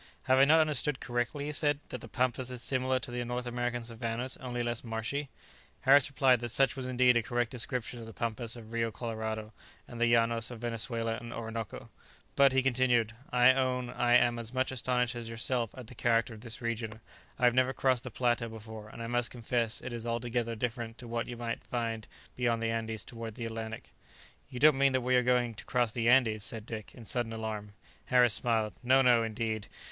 "Have I not understood correctly," he said, "that the pampas is similar to the North American savannahs, only less marshy?" Harris replied that such was indeed a correct description of the pampas of Rio Colorado, and the Ilanos of Venezuela and the Orinoco. "But," he continued, "I own I am as much astonished as yourself at the character of this region; I have never crossed the plateau before, and I must confess it is altogether different to what you find beyond the Andes towards the Atlantic." "You don't mean that we are going to cross the Andes?" said Dick, in sudden alarm. Harris smiled. "No, no, indeed.